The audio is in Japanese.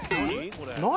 何？